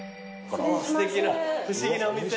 すてきな不思議なお店！